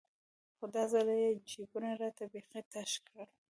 خو دا ځل يې جيبونه راته بيخي تش كړل.